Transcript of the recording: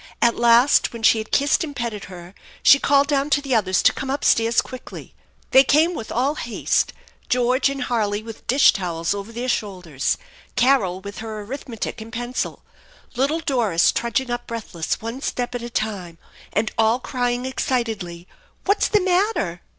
At last, when she had kissed and petted her, she called down to tho others to come up stairs quickly. They came with all haste, George and Harley with dish towels over their shoulders, Carol with her arithmetic and pencil, little Doris trudging up breathless, one step at a time, and all crying excitedly, "What's the matter?"